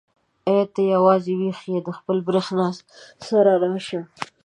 ای ته یوازې ويښه د خپلې برېښنا سره راشه.